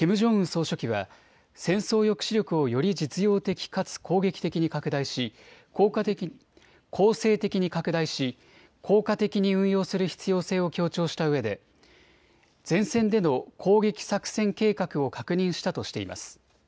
総書記は戦争抑止力をより実用的かつ攻勢的に拡大し効果的に運用する必要性を強調したうえで前線での攻撃作戦計画を確認したとしています。